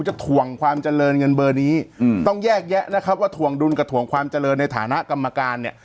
ถ่วงความเจริญเงินเบอร์นี้ต้องแยกแยะนะครับว่าถ่วงดุลกับถ่วงความเจริญในฐานะกรรมการเนี่ย